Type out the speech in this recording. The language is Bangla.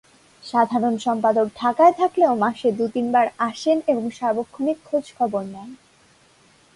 সাধারণ সম্পাদক ঢাকায় থাকলেও মাসে দু-তিনবার আসেন এবং সার্বক্ষণিক খোঁজখবর নেন।